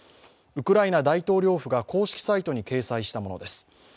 ウクライナ大統領府が公式サイトに掲載したものです。